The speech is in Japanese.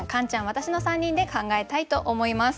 私の３人で考えたいと思います。